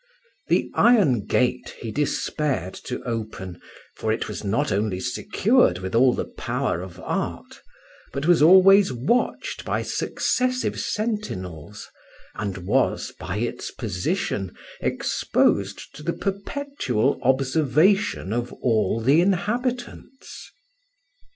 The iron gate he despaired to open for it was not only secured with all the power of art, but was always watched by successive sentinels, and was, by its position, exposed to the perpetual observation of all the inhabitants.